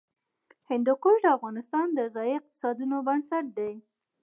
هندوکش د افغانستان د ځایي اقتصادونو بنسټ دی.